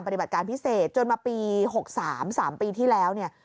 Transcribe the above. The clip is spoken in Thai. ปฏิบัติการพิเศษจนมาปี๖๓๓ปีที่แล้วเนี่ย